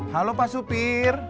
halo pak supir